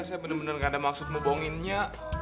saya bener bener gak ada maksud membohongin nya